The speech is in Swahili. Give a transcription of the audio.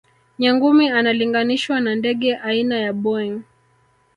nyangumi analinganishwa na ndege aina ya boeing